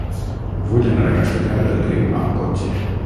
Vull anar a Castellar del Riu amb cotxe.